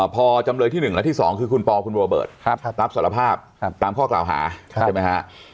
พอจำเลยที่๑และที่๒คือคุณปอคุณโรเบิร์ตรับสารภาพตามข้อกล่าวหาใช่ไหมฮะ